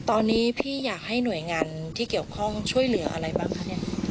ตอนนี้พี่อยากให้หน่วยงานที่เกี่ยวข้องช่วยเหลืออะไรบ้างคะเนี่ย